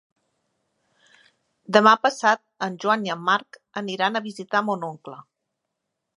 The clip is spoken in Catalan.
Demà passat en Joan i en Marc aniran a visitar mon oncle.